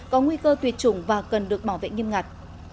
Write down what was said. có nguy cơ tuyệt chủng và cần được bảo vệ nghiêm ngặt